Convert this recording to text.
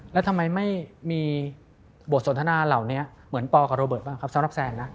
แล้วทำไมไม่มีบทสนทนาเหล่านี้เหมือนปอกับโรเบิร์ตบ้างครับสำหรับแซนนะ